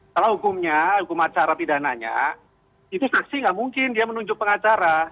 kalau hukumnya hukum acara pidananya itu saksi nggak mungkin dia menunjuk pengacara